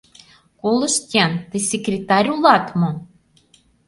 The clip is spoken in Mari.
Колышт-ян, тый секретарь улат мо?